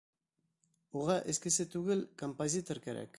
Уға эскесе түгел, композитор кәрәк.